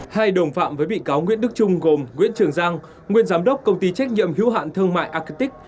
hai đồng phạm với bị cáo nguyễn đức trung gồm nguyễn trường giang nguyên giám đốc công ty trách nhiệm hữu hạn thương mại acic